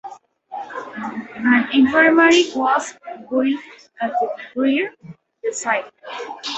An infirmary was built at the rear of the site.